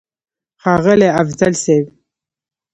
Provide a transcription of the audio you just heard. ښاغلی افضل صيب!!